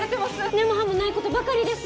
根も葉もないことばかりです